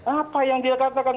apa yang dikatakan